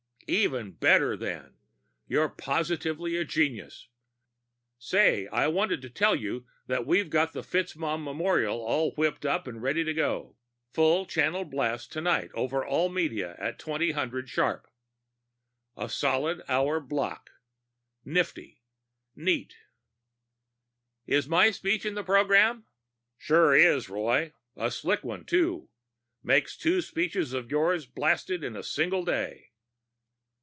"Even better, then. You're positively a genius. Say, I wanted to tell you that we've got the FitzMaugham memorial all whipped up and ready to go. Full channel blast tonight over all media at 2000 sharp ... a solid hour block. Nifty. Neat." "Is my speech in the program?" "Sure is, Roy. A slick one, too. Makes two speeches of yours blasted in a single day."